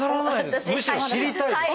むしろ知りたいです。